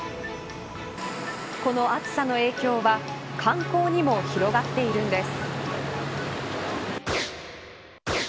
この暑さの影響は観光にも広がっているんです。